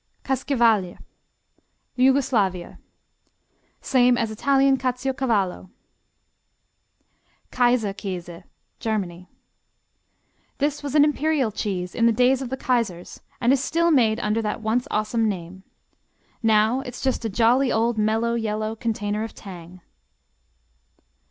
Kackavalj Yugoslavia Same as Italian Caciocavallo. Kaiser käse Germany This was an imperial cheese in the days of the kaisers and is still made under that once awesome name. Now it's just a jolly old mellow, yellow container of tang.